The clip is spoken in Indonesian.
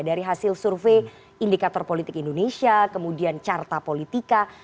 dari hasil survei indikator politik indonesia kemudian carta politika